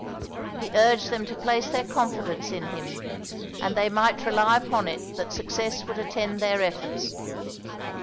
He urged them to place their confidence in him, and they might rely upon it that success would attend their efforts.